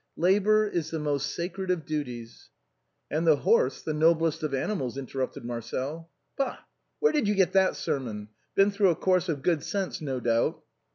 Labor is the most sacred of duties —."" And the horse, the noblest of animals," interrupted Marcel. " Bah ! where did you get that sermon ? Been through a course of good sense, no doubt."